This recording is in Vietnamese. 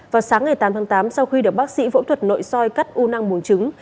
vào sáng ngày tám tháng tám sau khi được bác sĩ vỗ thuật nội soi cắt u nang buồn chứng